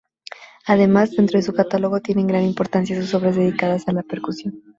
Además, dentro de su catálogo tienen gran importancia sus obras dedicadas a la percusión.